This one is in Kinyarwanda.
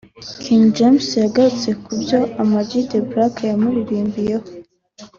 King James yagarutse ku byo Ama G The Black yamuririmbyeho